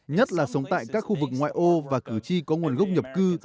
nhất là sống tại các khu vực ngoại ô và cử tri có nguồn gốc nhập cư